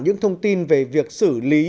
những thông tin về việc xử lý